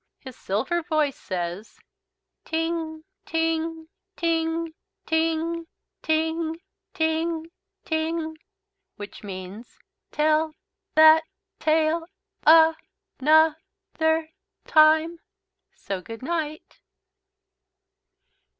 His silver voice says: "Ting ting ting ting ting ting ting," which means: "Tell that tale a noth er time." So good night.